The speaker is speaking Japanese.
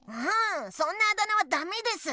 そんなあだ名はダメです！